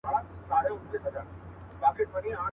هغه شپه مي د ژوندون وروستی ماښام وای.